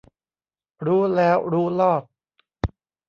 รู้แล้วรู้รอด